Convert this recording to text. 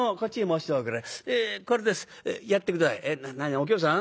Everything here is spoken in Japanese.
お清さん？